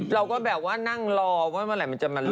เราก็แบบว่านั่งรอว่ามันจะมาลอนละ